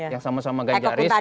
yang sama sama ganjaris